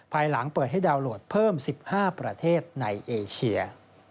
ภายหลังเปิดให้ดาวน์โหลดเพิ่ม๑๕ประเทศในเอเชีย